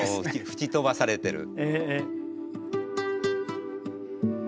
吹き飛ばされてる。